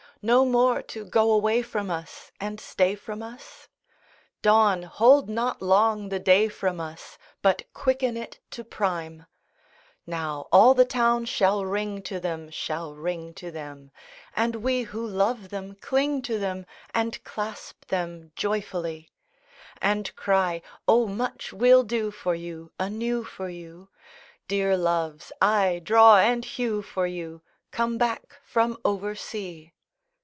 No more to go away from us And stay from us?— Dawn, hold not long the day from us, But quicken it to prime! II Now all the town shall ring to them, Shall ring to them, And we who love them cling to them And clasp them joyfully; And cry, "O much we'll do for you Anew for you, Dear Loves!—aye, draw and hew for you, Come back from oversea."